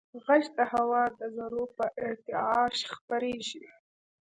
غږ د هوا د ذرّو په ارتعاش خپرېږي.